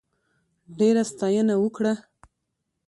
ډېره ستاینه وکړه.